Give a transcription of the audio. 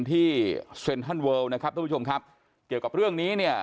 ที่เซ็นทรัลเวิลนะครับทุกผู้ชมครับเกี่ยวกับเรื่องนี้เนี่ย